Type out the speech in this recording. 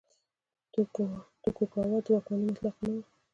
توکوګاوا واکمني مطلقه نه وه.